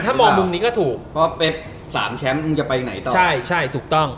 ถ้ามองมุมนี้ก็ถูกเพราะเป๊บสามแชมป์คงจะไปไหนต่อใช่ใช่ถูกต้อง